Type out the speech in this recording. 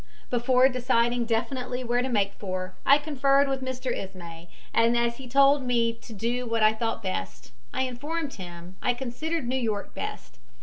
"Before deciding definitely where to make for, I conferred with Mr. Ismay, and as he told me to do what I thought best, I informed him, I considered New York best.